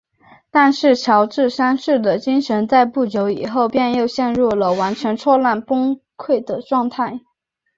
但是乔治三世的精神在不久以后便又陷入了完全错乱崩溃的状态。